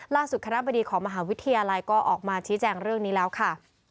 คณะบดีของมหาวิทยาลัยก็ออกมาชี้แจงเรื่องนี้แล้วค่ะ